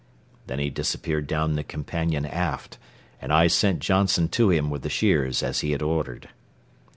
Then he disappeared down the companion aft, and I sent Johnson to him with the shears as he had ordered.